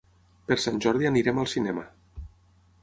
Per Sant Jordi anirem al cinema.